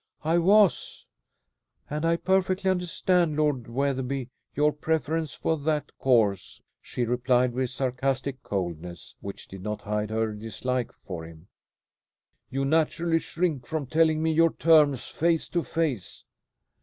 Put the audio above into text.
"I was; and I perfectly understand, Lord Wetherby, your preference for that course," she replied, with sarcastic coldness, which did not hide her dislike for him. "You naturally shrink from telling me your terms face to face."